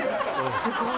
すごい。